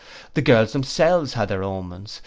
The girls themselves had their omens.